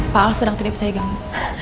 pak al sedang tidak bisa diganggu